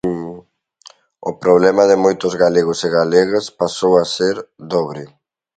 O problema de moitos galegos e galegas pasou a ser dobre.